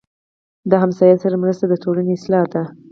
د ګاونډي سره مرسته د ټولنې اصلاح ده